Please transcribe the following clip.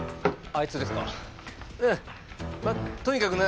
あいつですか？